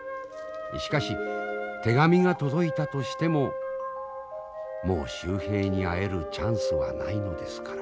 しかし手紙が届いたとしてももう秀平に会えるチャンスはないのですから。